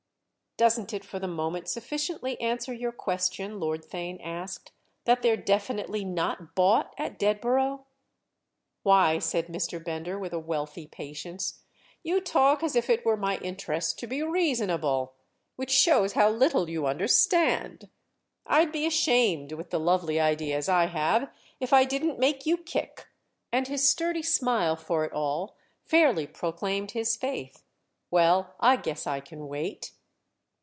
"Doesn't it for the moment sufficiently answer your question," Lord Theign asked, "that they're definitely not bought at Dedborough?" "Why," said Mr. Bender with a wealthy patience, "you talk as if it were my interest to be reasonable—which shows how little you understand. I'd be ashamed—with the lovely ideas I have—if I didn't make you kick." And his sturdy smile for it all fairly proclaimed his faith. "Well, I guess I can wait!"